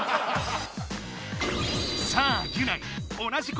さあギュナイ